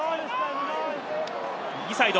右サイド！